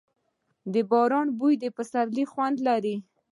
د باران بوی د پسرلي خوند لري.